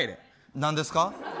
何ですか？